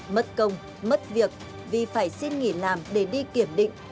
mất công mất việc vì phải xin nghỉ làm để đi kiểm định